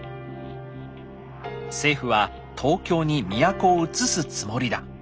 「政府は東京に都をうつすつもりだ。